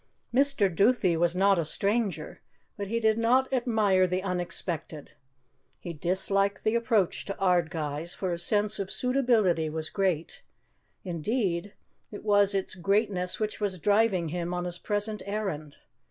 Mr. Duthie was not a stranger, but he did not admire the unexpected; he disliked the approach to Ardguys, for his sense of suitability was great; indeed, it was its greatness which was driving him on his present errand.